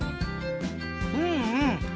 うんうん。